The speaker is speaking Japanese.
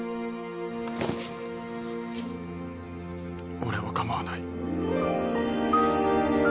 俺は構わない。